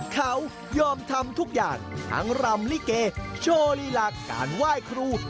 เขายอมทำทุกอย่างทั้งรำลิเกโชว์ลีลาการไหว้ครู